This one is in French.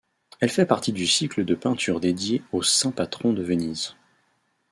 Elle fait partie du cycle de peintures dédiées au saint patron de Venise.